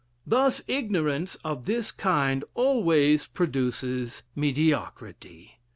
Thus ignorance of this kind always produces mediocrity.